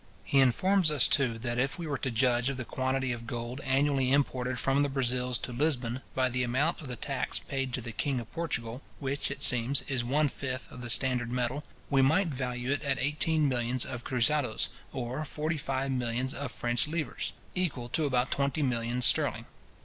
He informs us, too, that if we were to judge of the quantity of gold annually imported from the Brazils to Lisbon, by the amount of the tax paid to the king of Portugal, which it seems, is one fifth of the standard metal, we might value it at eighteen millions of cruzadoes, or forty five millions of French livres, equal to about twenty millions sterling.